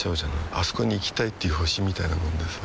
あそこに行きたいっていう星みたいなもんでさ